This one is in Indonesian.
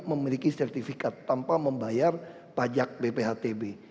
memiliki sertifikat tanpa membayar pajak bphtb